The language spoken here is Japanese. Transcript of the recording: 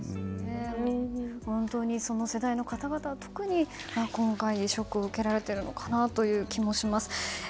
本当にその世代の方々は特に今回ショックを受けられているのかなという気がします。